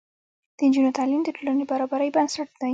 د نجونو تعلیم د ټولنې برابرۍ بنسټ دی.